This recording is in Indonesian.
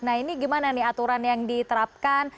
nah ini gimana nih aturan yang diterapkan